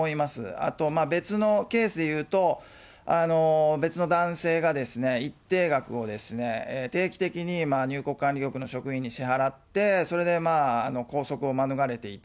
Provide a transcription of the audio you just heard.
あと、別のケースでいうと、別の男性が一定額を定期的に、入国管理局の職員に支払って、それで拘束を免れていた。